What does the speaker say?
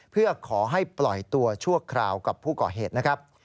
เพื่อขอให้ปล่อยตัวชั่วคราวกับผู้ก่อเหตุนะครับ